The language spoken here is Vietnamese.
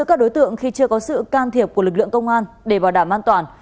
các đối tượng khi chưa có sự can thiệp của lực lượng công an để bảo đảm an toàn